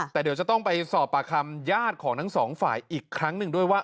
แต่เดี๋ยวจะต้องไปสอบปากคำญาติของทั้งสองฝ่ายอีกครั้งหนึ่งด้วยว่า